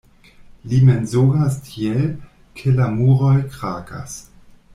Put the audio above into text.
Li mensogas tiel, ke la muroj krakas.